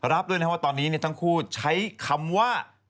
รับด้วยนะครับว่าตอนนี้ทั้งคู่ใช้คำว่า